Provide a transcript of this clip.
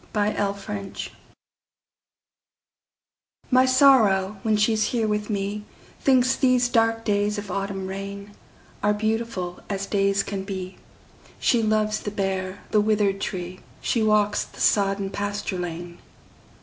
My November Guest MY Sorrow, when she's here with me, Thinks these dark days of autumn rainAre beautiful as days can be; She loves the bare, the withered tree; She walks the sodden pasture lane.